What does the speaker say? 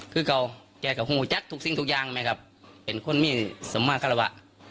คือเก้าแกก็โหจัดทุกสิ่งทุกอย่างไหมครับเป็นคนไม่สามารถค่ะละวะ